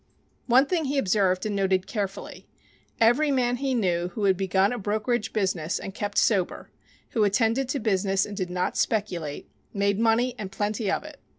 One thing he observed and noted carefully every man he knew who had begun a brokerage business and kept sober, who attended to business and did not speculate, made money and plenty of it.